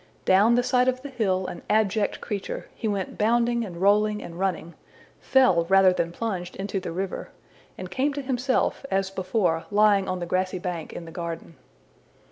Down the side of the hill, an abject creature, he went bounding and rolling and running; fell rather than plunged into the river, and came to himself, as before, lying on the grassy bank in the garden.